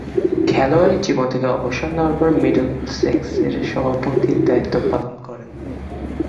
খেলোয়াড়ী জীবন থেকে অবসর নেয়ার পর মিডলসেক্সের সভাপতির দায়িত্ব পালন করেন।